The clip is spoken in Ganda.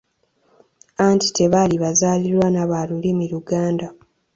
Anti tebaali bazaaliranwa ba lulimi Luganda.